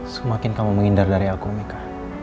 semakin kamu mengindar dari aku mika